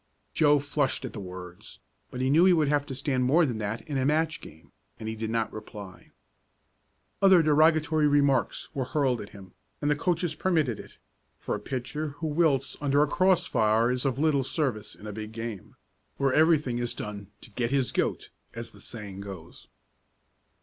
Joe flushed at the words, but he knew he would have to stand more than that in a match game, and he did not reply. Other derogatory remarks were hurled at him, and the coaches permitted it, for a pitcher who wilts under a cross fire is of little service in a big game, where everything is done to "get his goat," as the saying goes.